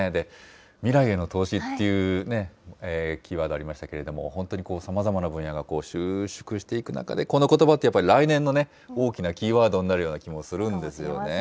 未来への投資っていうキーワードありましたけれども、本当にさまざまな分野が収縮していく中で、このことばってやっぱり、来年の大きなキーワードになるような気もするんですよね。